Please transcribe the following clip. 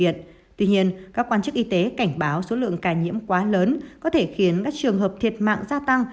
tuy nhiên các quan chức y tế cảnh báo số lượng ca nhiễm quá lớn có thể khiến các trường hợp thiệt mạng gia tăng